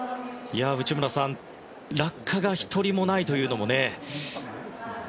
内村さん落下が１人もないというのもね。